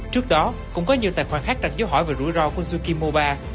trước đó cũng có nhiều tài khoản khác đặt dấu hỏi về rủi ro của zukimoba